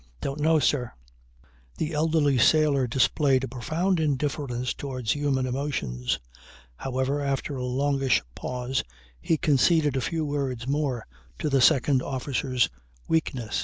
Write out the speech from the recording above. "Don't know, sir." The elderly sailor displayed a profound indifference towards human emotions. However, after a longish pause he conceded a few words more to the second officer's weakness.